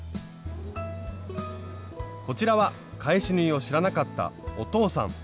こちらは返し縫いを知らなかったお父さん。